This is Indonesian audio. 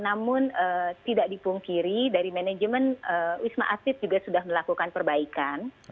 namun tidak dipungkiri dari manajemen wisma atlet juga sudah melakukan perbaikan